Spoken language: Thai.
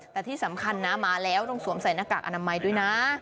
แต่ที่สำคัญนะมาแล้วต้องสวมใส่หน้ากากอนามัยด้วยนะ